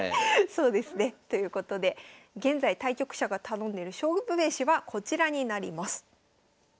そうですね。ということで現在対局者が頼んでる勝負めしはこちらになります。